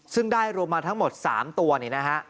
ซึ่งได้รวมมาทั้งหมด๓ตัวนี่นะฮะ